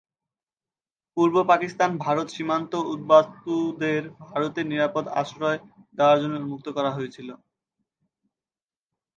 পূর্ব পাকিস্তান-ভারত সীমান্ত উদ্বাস্তুদের ভারতে নিরাপদ আশ্রয় দেওয়ার জন্য উন্মুক্ত করা হয়েছিল।